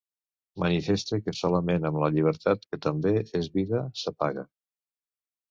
Manifeste que solament amb la llibertat que també és vida, s'apaga.